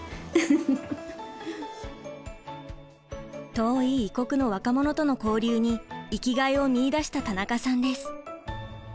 遠い異国の若者との交流に生きがいを見いだした田中さんです。